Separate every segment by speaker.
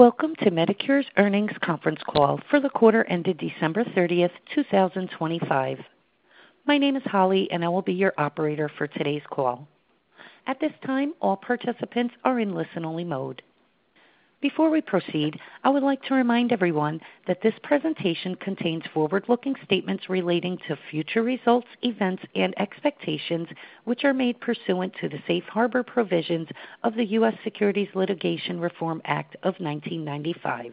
Speaker 1: Welcome to Medicare Inc.'s Earnings Conference Call for the quarter ended December 30, 2025. My name is Holly, and I will be your operator for today's call. At this time, all participants are in listen-only mode. Before we proceed, I would like to remind everyone that this presentation contains forward-looking statements relating to future results, events, and expectations which are made pursuant to the Safe Harbor provisions of the U.S. Securities Litigation Reform Act of 1995.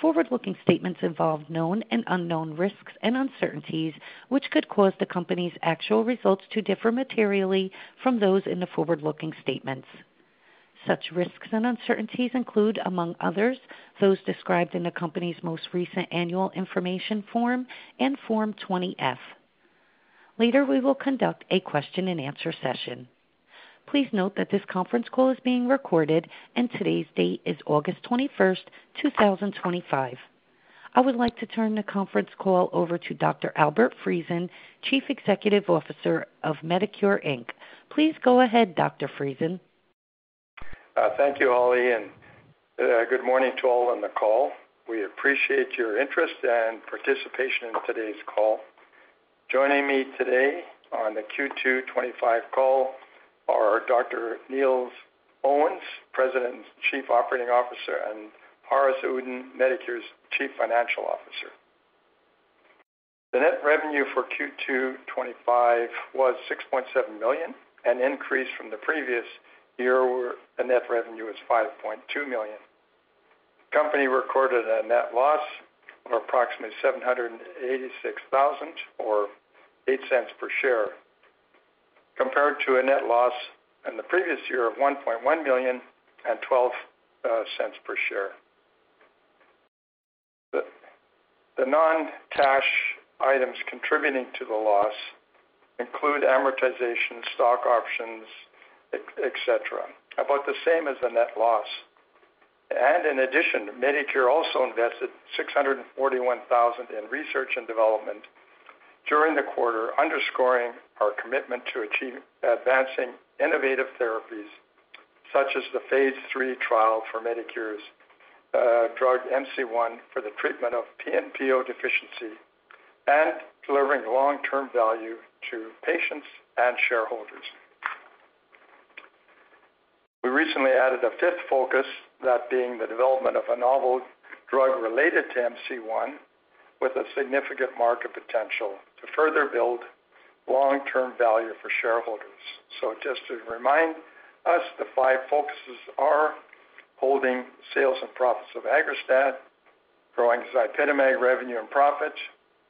Speaker 1: Forward-looking statements involve known and unknown risks and uncertainties which could cause the company's actual results to differ materially from those in the forward-looking statements. Such risks and uncertainties include, among others, those described in the company's most recent annual information form and Form 20-F. Later, we will conduct a question-and-answer session. Please note that this conference call is being recorded, and today's date is August 21, 2025. I would like to turn the conference call over to Dr. Albert Friesen, Chief Executive Officer of Medicare Inc. Please go ahead, Dr. Friesen.
Speaker 2: Thank you, Holly, and good morning to all on the call. We appreciate your interest and participation in today's call. Joining me today on the Q2 2025 call are Dr. Neil Owens, President and Chief Operating Officer, and Haaris Uddin, Medicare's Chief Financial Officer. The net revenue for Q2 2025 was $6.7 million, an increase from the previous year where the net revenue was $5.2 million. The company recorded a net loss of approximately $786,000 or $0.08 per share, compared to a net loss in the previous year of $1.1 million and $0.12 per share. The non-cash items contributing to the loss include amortization, stock options, etc., about the same as the net loss. In addition, Medicare also invested $641,000 in research and development during the quarter, underscoring our commitment to advancing innovative therapies such as the Phase III trial for Medicare's drug MC1 for the treatment of PNPO deficiency and delivering long-term value to patients and shareholders. We recently added a fifth focus, that being the development of a novel drug related to MC1 with significant market potential to further build long-term value for shareholders. Just to remind us, the five focuses are holding sales and profits of AGGRASTAT, growing ZYPITAMAG revenue and profits,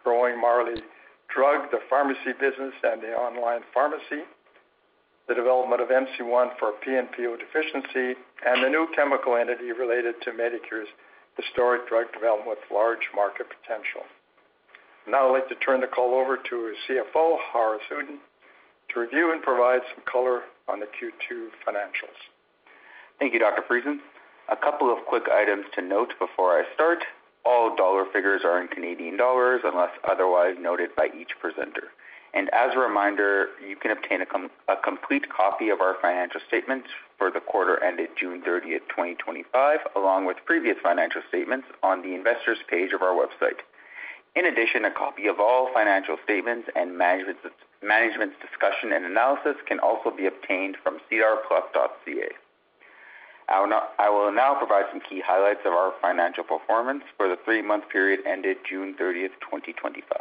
Speaker 2: growing MARVEY Drug, the pharmacy business and the online pharmacy, the development of MC1 for PNPO deficiency, and the new chemical entity related to Medicare's historic drug development with large market potential. Now I'd like to turn the call over to our CFO, Haaris, to review and provide some color on the Q2 financials.
Speaker 3: Thank you, Dr. Friesen. A couple of quick items to note before I start. All dollar figures are in Canadian dollars unless otherwise noted by each presenter. As a reminder, you can obtain a complete copy of our financial statements for the quarter ended June 30, 2025, along with previous financial statements on the Investors' page of our website. In addition, a copy of all financial statements and management's discussion and analysis can also be obtained from cdrclub.ca. I will now provide some key highlights of our financial performance for the three-month period ended June 30, 2025.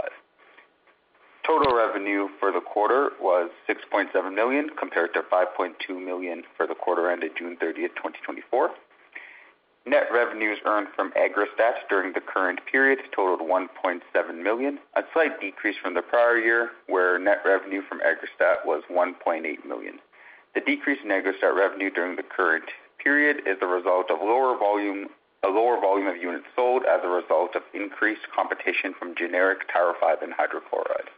Speaker 3: Total revenue for the quarter was $6.7 million compared to $5.2 million for the quarter ended June 30, 2024. Net revenue earned from AGGRASTAT during the current period totaled $1.7 million, a slight decrease from the prior year where net revenue from AGGRASTAT was $1.8 million. The decrease in AGGRASTAT revenue during the current period is a result of a lower volume of units sold as a result of increased competition from generic TYR5 and hydrochloride.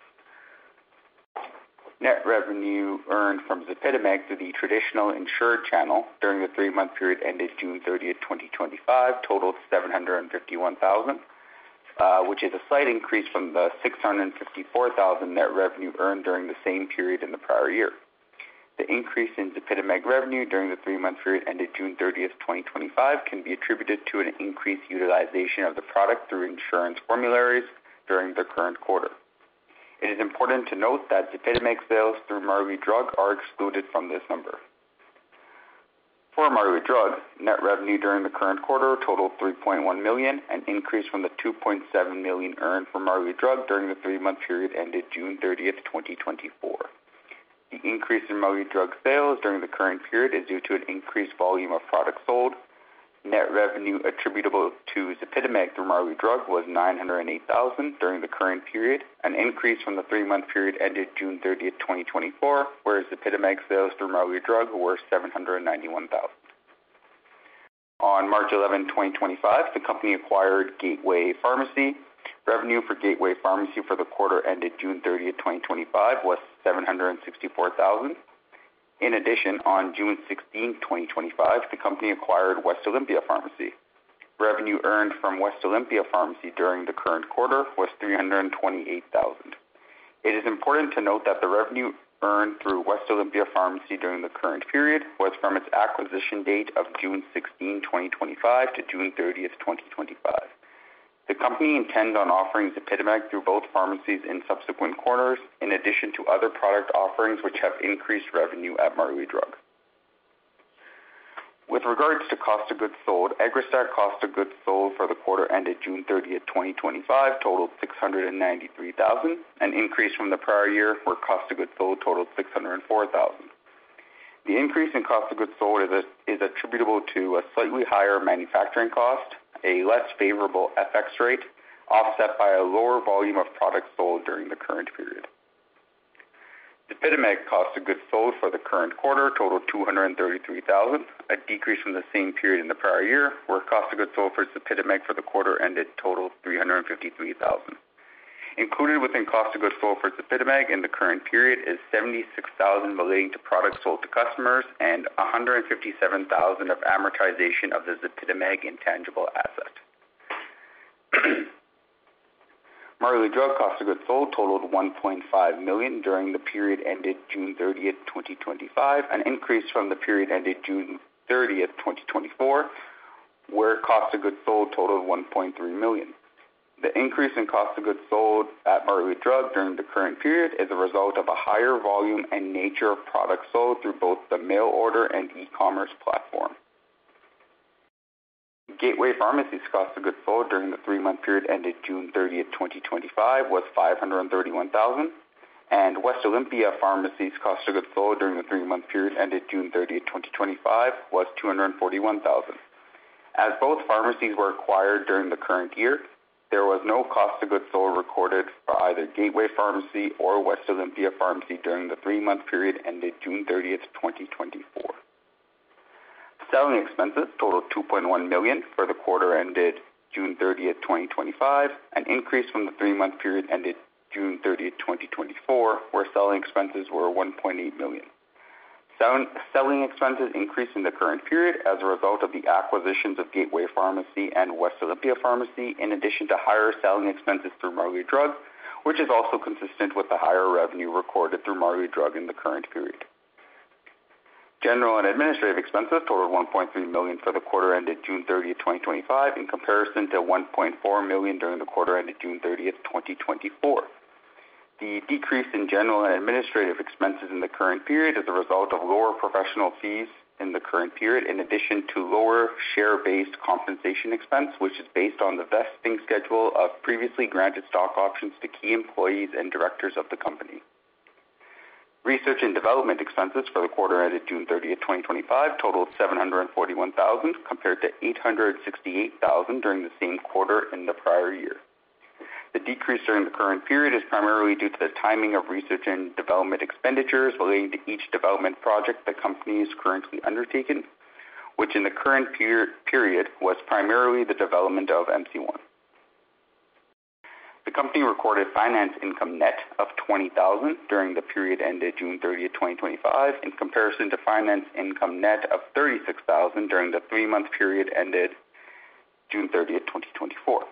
Speaker 3: Net revenue earned from ZYPITAMAG to the traditional insured channel during the three-month period ended June 30, 2025, totaled $751,000, which is a slight increase from the $654,000 net revenue earned during the same period in the prior year. The increase in ZYPITAMAG revenue during the three-month period ended June 30, 2025, can be attributed to an increased utilization of the product through insurance formularies during the current quarter. It is important to note that ZYPITAMAG sales through MARVEY Drug are excluded from this number. For MARVEY Drug, net revenue during the current quarter totaled $3.1 million, an increase from the $2.7 million earned from MARVEY Drug during the three-month period ended June 30, 2024. The increase in MARVEY Drug sales during the current period is due to an increased volume of products sold. Net revenue attributable to ZYPITAMAG through MARVEY Drug was $908,000 during the current period, an increase from the three-month period ended June 30, 2024, where ZYPITAMAG sales through MARVEY Drug were $791,000. On March 11, 2025, the company acquired Gateway Medical Pharmacy. Revenue for Gateway Medical Pharmacy for the quarter ended June 30, 2025, was $764,000. In addition, on June 16, 2025, the company acquired West Olympia Pharmacy. Revenue earned from West Olympia Pharmacy during the current quarter was $328,000. It is important to note that the revenue earned through West Olympia Pharmacy during the current period was from its acquisition date of June 16, 2025-June 30, 2025. The company intends on offering ZYPITAMAG through both pharmacies in subsequent quarters, in addition to other product offerings which have increased revenue at MARVEY Drug. With regards to cost of goods sold, AGGRASTAT cost of goods sold for the quarter ended June 30, 2025, totaled $693,000, an increase from the prior year where cost of goods sold totaled $604,000. The increase in cost of goods sold is attributable to a slightly higher manufacturing cost, a less favorable FX rate, offset by a lower volume of products sold during the current period. ZYPITAMAG cost of goods sold for the current quarter totaled $233,000, a decrease from the same period in the prior year where cost of goods sold for ZYPITAMAG for the quarter ended totaled $353,000. Included within cost of goods sold for ZYPITAMAG in the current period is $76,000 relating to products sold to customers and $157,000 of amortization of the ZYPITAMAG intangible asset. MARVEY Drug cost of goods sold totaled $1.5 million during the period ended June 30, 2025, an increase from the period ended June 30, 2024, where cost of goods sold totaled $1.3 million. The increase in cost of goods sold at MARVEY Drug during the current period is a result of a higher volume and nature of products sold through both the mail order and e-commerce platform. Gateway Medical Pharmacy's cost of goods sold during the three-month period ended June 30, 2025, was $531,000, and West Olympia Pharmacy's cost of goods sold during the three-month period ended June 30, 2025, was $241,000. As both pharmacies were acquired during the current year, there was no cost of goods sold recorded for either Gateway Medical Pharmacy or West Olympia Pharmacy during the three-month period ended June 30, 2024. Selling expenses totaled $2.1 million for the quarter ended June 30, 2025, an increase from the three-month period ended June 30, 2024, where selling expenses were $1.8 million. Selling expenses increased in the current period as a result of the acquisitions of Gateway Medical Pharmacy and West Olympia Pharmacy, in addition to higher selling expenses through MARVEY Drug, which is also consistent with the higher revenue recorded through MARVEY Drug in the current period. General and administrative expenses totaled $1.3 million for the quarter ended June 30, 2025, in comparison to $1.4 million during the quarter ended June 30, 2024. The decrease in general and administrative expenses in the current period is a result of lower professional fees in the current period, in addition to lower share-based compensation expense, which is based on the vesting schedule of previously granted stock options to key employees and directors of the company. Research and development expenses for the quarter ended June 30, 2025, totaled $741,000 compared to $868,000 during the same quarter in the prior year. The decrease during the current period is primarily due to the timing of research and development expenditures relating to each development project the company has currently undertaken, which in the current period was primarily the development of MC1. The company recorded finance income net of $20,000 during the period ended June 30, 2025, in comparison to finance income net of $36,000 during the three-month period ended June 30, 2024.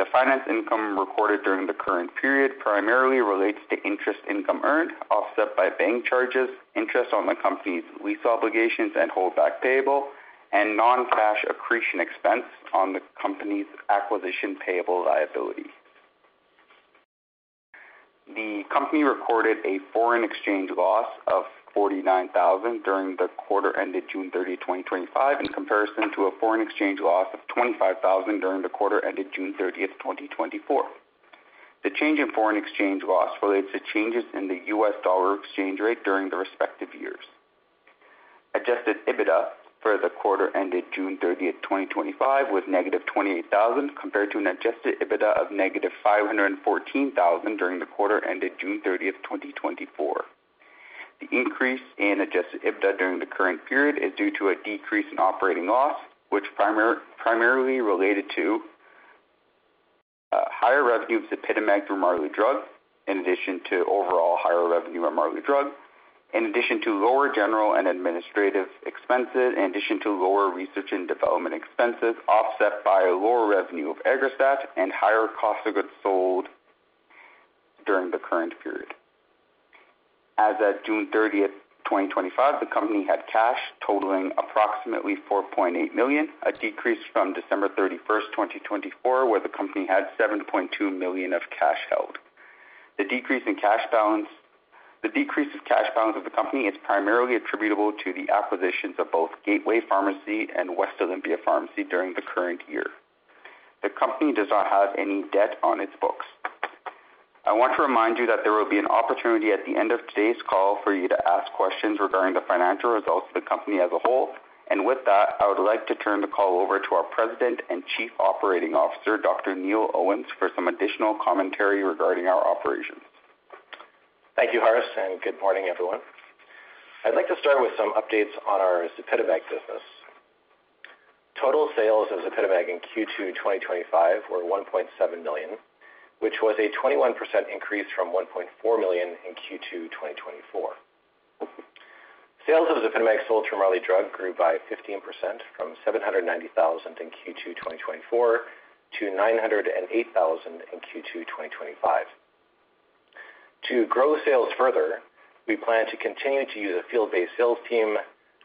Speaker 3: The finance income recorded during the current period primarily relates to interest income earned, offset by bank charges, interest on the company's lease obligations and holdback payable, and non-cash accretion expense on the company's acquisition payable liability. The company recorded a foreign exchange loss of $49,000 during the quarter ended June 30, 2025, in comparison to a foreign exchange loss of $25,000 during the quarter ended June 30, 2024. The change in foreign exchange loss relates to changes in the U.S. dollar exchange rate during the respective years. Adjusted EBITDA for the quarter ended June 30, 2025, was -$28,000 compared to an adjusted EBITDA of -$514,000 during the quarter ended June 30, 2024. The increase in adjusted EBITDA during the current period is due to a decrease in operating loss, which primarily related to higher revenue of ZYPITAMAG through MARVEY Drug, in addition to overall higher revenue at MARVEY Drug, in addition to lower general and administrative expenses, in addition to lower research and development expenses offset by a lower revenue of AGGRASTAT and higher cost of goods sold during the current period. As of June 30, 2025, the company had cash totaling approximately $4.8 million, a decrease from December 31, 2024, where the company had $7.2 million of cash held. The decrease in cash balance, the decrease of cash balance of the company is primarily attributable to the acquisitions of both Gateway Pharmacy and West Olympia Pharmacy during the current year. The company does not have any debt on its books. I want to remind you that there will be an opportunity at the end of today's call for you to ask questions regarding the financial results of the company as a whole. With that, I would like to turn the call over to our President and Chief Operating Officer, Dr. Neil Owens, for some additional commentary regarding our operations.
Speaker 4: Thank you, Haaris, and good morning, everyone. I'd like to start with some updates on our ZYPITAMAG business. Total sales of ZYPITAMAG in Q2 2025 were $1.7 million, which was a 21% increase from $1.4 million in Q2 2024. Sales of ZYPITAMAG sold through MARVEY Drug grew by 15% from $790,000 in Q2 2024 to $908,000 in Q2 2025. To grow sales further, we plan to continue to use a field-based sales team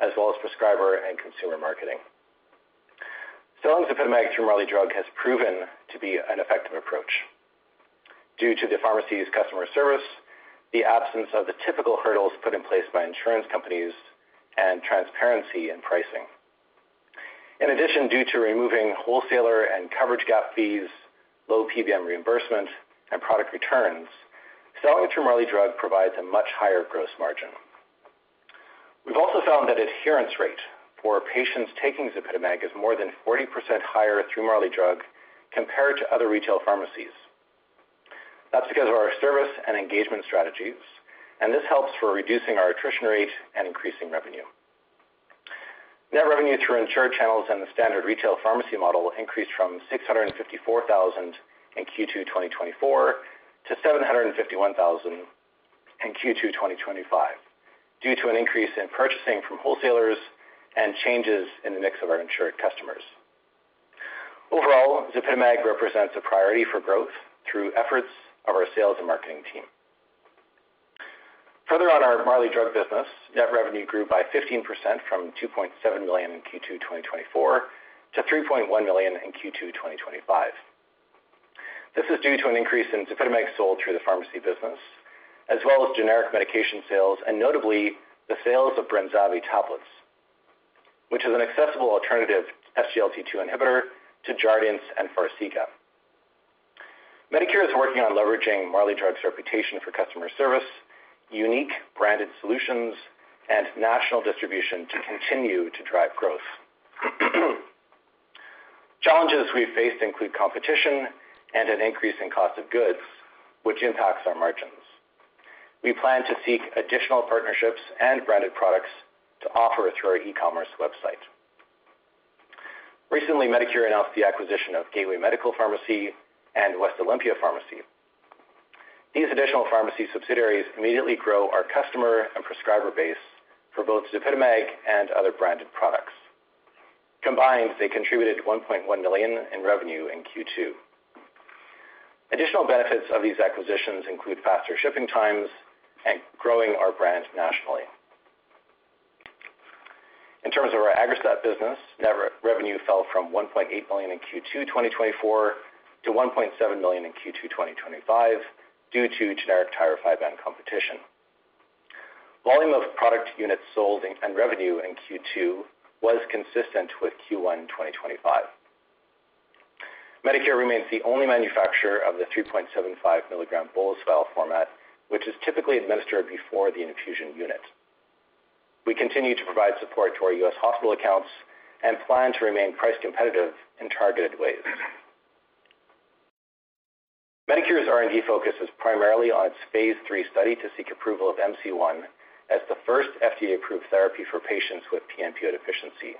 Speaker 4: as well as prescriber and consumer marketing. Selling ZYPITAMAG through MARVEY Drug has proven to be an effective approach due to the pharmacy's customer service, the absence of the typical hurdles put in place by insurance companies, and transparency in pricing. In addition, due to removing wholesaler and coverage gap fees, low PBM reimbursement, and product returns, selling through MARVEY Drug provides a much higher gross margin. We've also found that adherence rate for patients taking ZYPITAMAG is more than 40% higher through MARVEY Drug compared to other retail pharmacies. That's because of our service and engagement strategies, and this helps for reducing our attrition rate and increasing revenue. Net revenue through insured channels and the standard retail pharmacy model increased from $654,000 in Q2 2024 to $751,000 in Q2 2025 due to an increase in purchasing from wholesalers and changes in the mix of our insured customers. Overall, ZYPITAMAG represents a priority for growth through efforts of our sales and marketing team. Further on our MARVEY Drug business, net revenue grew by 15% from $2.7 million in Q2 2024 to $3.1 million in Q2 2025. This is due to an increase in ZYPITAMAG sold through the pharmacy business, as well as generic medication sales, and notably the sales of BRENZAVVY tablets, which is an accessible alternative SGLT2 inhibitor to JARDIANCE and FARXIGA. Medicare is working on leveraging MARVEY Drug's reputation for customer service, unique branded solutions, and national distribution to continue to drive growth. Challenges we've faced include competition and an increase in cost of goods, which impacts our margins. We plan to seek additional partnerships and branded products to offer through our e-commerce website. Recently, Medicare announced the acquisition of Gateway Medical Pharmacy and West Olympia Pharmacy. These additional pharmacy subsidiaries immediately grow our customer and prescriber base for both ZYPITAMAG and other branded products. Combined, they contributed $1.1 million in revenue in Q2. Additional benefits of these acquisitions include faster shipping times and growing our brand nationally. In terms of our AGGRASTAT business, net revenue fell from $1.8 million in Q2 2024 to $1.7 million in Q2 2025 due to generic TYR5 and competition. Volume of product units sold and revenue in Q2 was consistent with Q1 2025. Medicare remains the only manufacturer of the 3.75 mg format, which is typically administered before the infusion unit. We continue to provide support to our U.S., hospital accounts and plan to remain price competitive in targeted ways. Medicare's R&D focus is primarily on its Phase III study to seek approval of MC1 as the first FDA-approved therapy for patients with PNPO deficiency,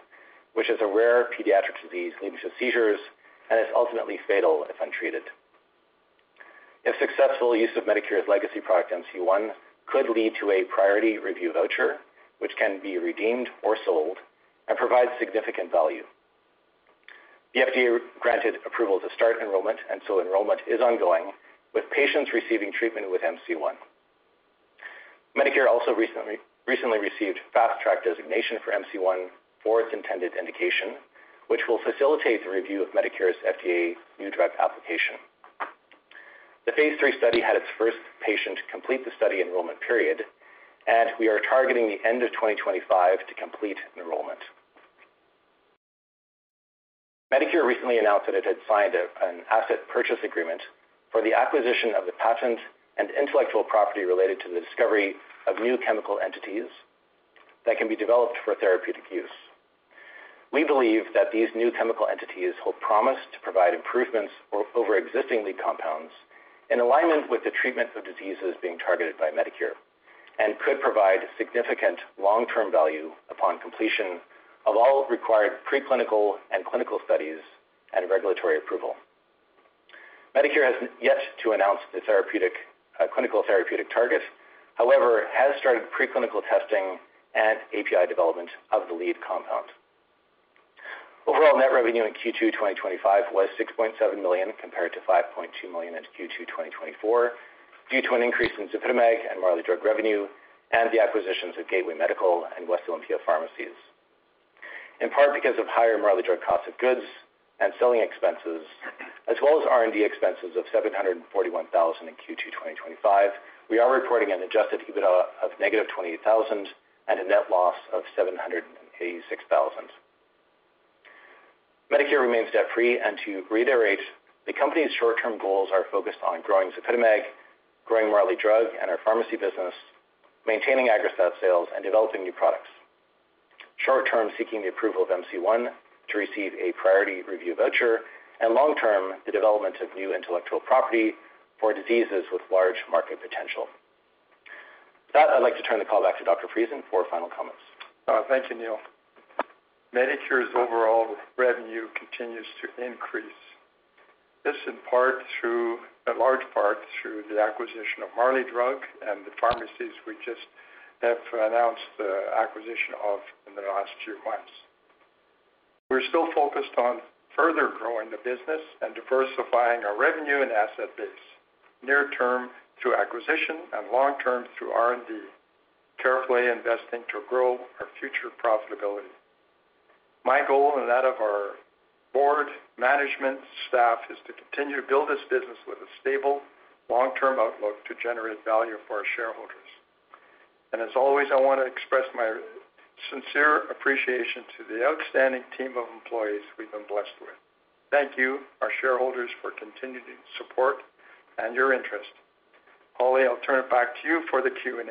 Speaker 4: which is a rare pediatric disease leading to seizures and is ultimately fatal if untreated. If successful, use of Medicare's legacy product MC1 could lead to a priority review voucher, which can be redeemed or sold and provide significant value. The FDA granted approval to start enrollment, and so enrollment is ongoing with patients receiving treatment with MC1. Medicare also recently received FDA fast track designation for MC1 for its intended indication, which will facilitate the review of Medicare's FDA new drug application. The Phase III study had its first patient complete the study enrollment period, and we are targeting the end of 2025 to complete enrollment. Medicare recently announced that it had signed an asset purchase agreement for the acquisition of the patent and intellectual property related to the discovery of new chemical entities that can be developed for therapeutic use. We believe that these new chemical entities hold promise to provide improvements over existing lead compounds in alignment with the treatments of diseases being targeted by Medicare and could provide significant long-term value upon completion of all required preclinical and clinical studies and regulatory approval. Medicare has yet to announce the clinical therapeutic target; however, it has started preclinical testing and API development of the lead compound. Overall net revenue in Q2 2025 was $6.7 million compared to $5.2 million in Q2 2024 due to an increase in ZYPITAMAG and MARVEY Drug revenue and the acquisitions of Gateway Medical and West Olympia Pharmacy. In part because of higher MARVEY Drug cost of goods and selling expenses, as well as R&D expenses of $741,000 in Q2 2025, we are reporting an adjusted EBITDA of -$28,000 and a net loss of $786,000. Medicare remains debt-free, and to reiterate, the company's short-term goals are focused on growing ZYPITAMAG, growing MARVEY Drug and our pharmacy business, maintaining AGGRASTAT sales, and developing new products. Short-term, seeking the approval of MC1 to receive a priority review voucher, and long-term, the development of new intellectual property for diseases with large market potential. With that, I'd like to turn the call back to Dr. Friesen for final comments.
Speaker 2: Thank you, Neil. Medicare's overall revenue continues to increase. This is in part, through a large part, through the acquisition of MARVEY Drug and the pharmacies we just have announced the acquisition of in the last two months. We're still focused on further growing the business and diversifying our revenue and asset base, near-term through acquisition and long-term through R&D, carefully investing to grow our future profitability. My goal and that of our board, management, staff is to continue to build this business with a stable long-term outlook to generate value for our shareholders. I want to express my sincere appreciation to the outstanding team of employees we've been blessed with. Thank you, our shareholders, for continued support and your interest. Holly, I'll turn it back to you for the Q&A.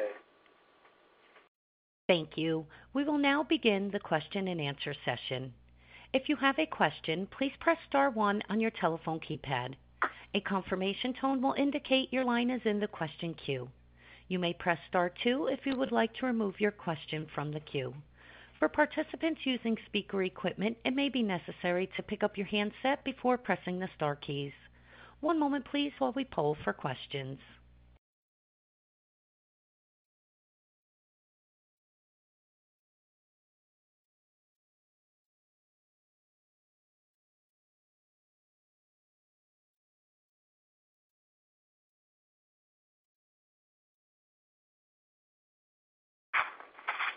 Speaker 1: Thank you. We will now begin the question-and-answer session. If you have a question, please press Star, one on your telephone keypad. A confirmation tone will indicate your line is in the question queue. You may press star two if you would like to remove your question from the queue. For participants using speaker equipment, it may be necessary to pick up your handset before pressing the star keys. One moment, please, while we poll for questions.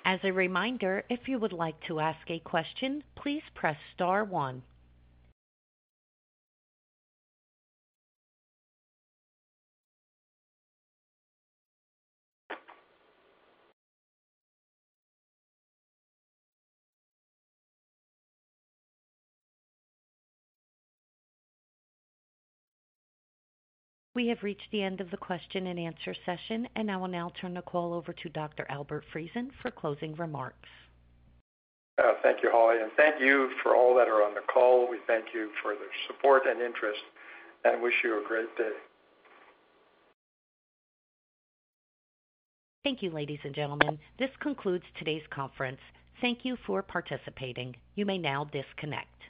Speaker 1: As a reminder, if you would like to ask a question, please press Star, one. We have reached the end of the question-and-answer session, and I will now turn the call over to Dr. Albert Friesen for closing remarks.
Speaker 2: Thank you, Holly, and thank you for all that are on the call. We thank you for the support and interest, and wish you a great day.
Speaker 1: Thank you, ladies and gentlemen. This concludes today's conference. Thank you for participating. You may now disconnect.